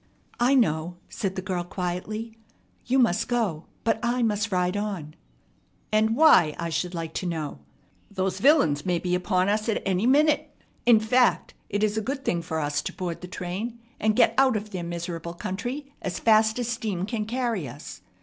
"I know," said the girl quietly. "You must go, but I must ride on." "And why? I should like to know. Don't you see that I cannot leave you here alone? Those villains may be upon us at any minute. In fact, it is a good thing for us to board the train and get out of their miserable country as fast as steam can carry us.